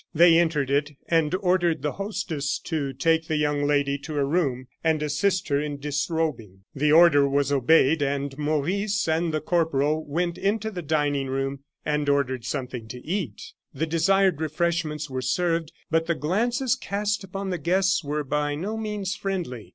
They entered it, and ordered the hostess to take the young lady to a room and to assist her in disrobing. The order was obeyed, and Maurice and the corporal went into the dining room and ordered something to eat. The desired refreshments were served, but the glances cast upon the guests were by no means friendly.